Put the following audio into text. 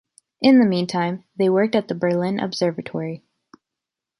In the meantime, they worked at the Berlin Observatory.